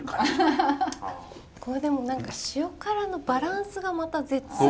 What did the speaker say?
これでも何か塩辛のバランスがまた絶妙。